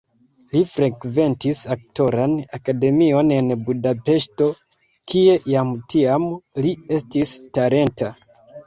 Li frekventis aktoran akademion en Budapeŝto, kie jam tiam li estis talenta.